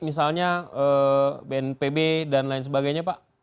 misalnya bnpb dan lain sebagainya pak